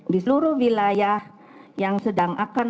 di seluruh wilayah yang sedang akan